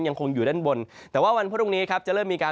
ยังคงอยู่ด้านบนแต่ว่าวันพรุ่งนี้ครับจะเริ่มมีการ